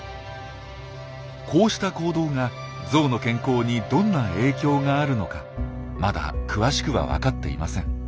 こうした行動がゾウの健康にどんな影響があるのかまだ詳しくはわかっていません。